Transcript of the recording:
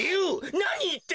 なにいってんの？